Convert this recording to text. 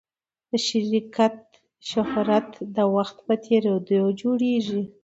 د شرکت شهرت د وخت په تېرېدو جوړېږي.